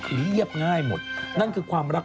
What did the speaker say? คือเรียบง่ายหมดนั่นคือความรัก